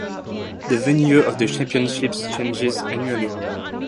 The venue of the championships changes annually.